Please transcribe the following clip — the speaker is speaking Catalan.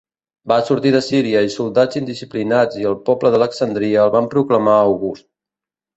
Va sortir de Síria i soldats indisciplinats i el poble d'Alexandria el van proclamar august.